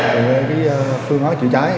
về phương áp chữa cháy